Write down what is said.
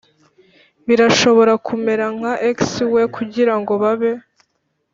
birashobora kumera nka ex we kugirango babe